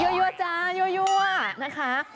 ยั่วยั่วจ้ายั่วยั่วนะคะ